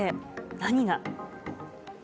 何が。